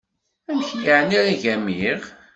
Amek yeɛni ara ggamiɣ?